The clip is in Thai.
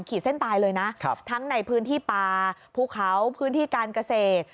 ขีดเส้นตายเลยนะทั้งในพื้นที่ป่าภูเขาพื้นที่การเกษตร